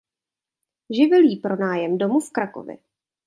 Živil jí pronájem domu v Krakově.